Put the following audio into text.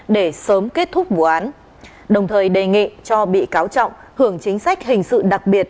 để sớm kết thúc vụ án đồng thời đề nghị cho bị cáo trọng hưởng chính sách hình sự đặc biệt